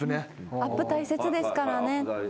アップ大切ですからね。